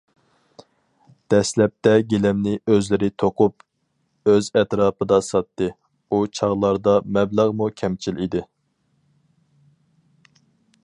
دەسلەپتە گىلەمنى ئۆزلىرى توقۇپ، ئۆز ئەتراپىدا ساتتى، ئۇ چاغلاردا مەبلەغمۇ كەمچىل ئىدى.